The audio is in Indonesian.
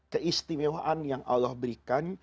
keistimewaan yang allah berikan